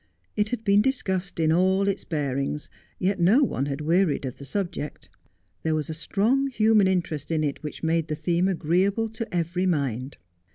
It had been discussed in all iU> Dealings, yet no one had wearied of the subject. There was a strong human interest in it which made the theme agreeable to every mind.